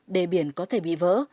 đề biển có thể bị vỡ